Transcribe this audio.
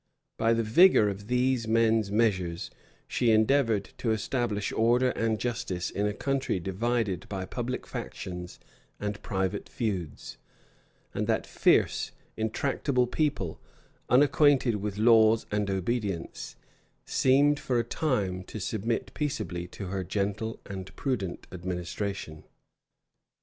By the vigor of these men's measures, she endeavored to establish order and justice in a country divided by public factions and private feuds; and that fierce, intractable people, unacquainted with laws and obedience, seemed, for a time, to submit peaceably to her gentle and prudent administration.